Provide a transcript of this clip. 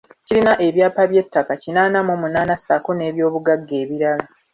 Kirina ebyapa by’ettaka kinaana mu munaana ssaako n’ebyobugagga ebirala.